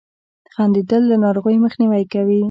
• خندېدل له ناروغیو مخنیوی کوي.